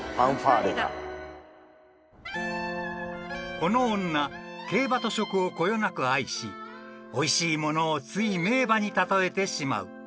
［この女競馬と食をこよなく愛しおいしい物をつい名馬に例えてしまう］